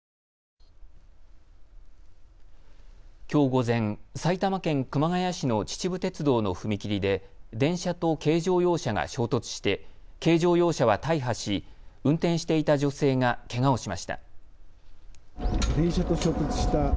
きょう午前、埼玉県熊谷市の秩父鉄道の踏切で電車と軽乗用車が衝突して軽乗用車は大破し運転していた女性がけがをしました。